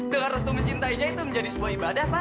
dengan restu mencintainya itu menjadi sebuah ibadah pak